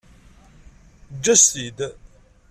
Eǧǧ-as-t-id.